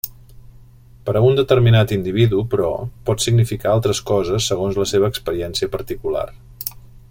Per a un determinat individu, però, pot significar altres coses segons la seva experiència particular.